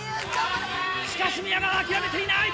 しかし宮川諦めていない！